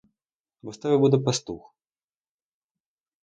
Бо з тебе буде пастух.